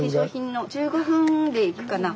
１５分で行くかな。